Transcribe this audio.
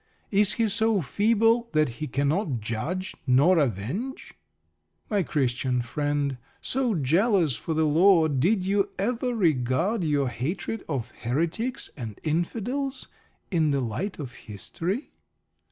Is He so feeble that He cannot judge nor avenge? My Christian friend, so jealous for the Lord, did you ever regard your hatred of "Heretics" and "Infidels" in the light of history?